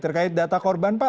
terkait data korban pak